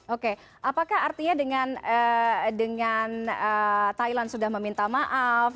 oke apakah artinya dengan thailand sudah meminta maaf